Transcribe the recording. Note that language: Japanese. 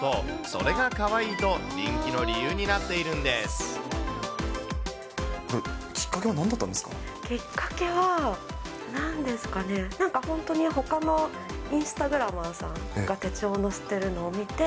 それがかわいいと、人気の理由にこれ、きっかけは何だったんきっかけは、なんですかね、なんか本当に、ほかのインスタグラマーさんが手帳を載せてるのを見て。